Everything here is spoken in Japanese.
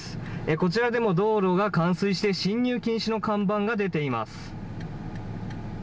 こちらでも道路が冠水して進入禁止の看板が出ています。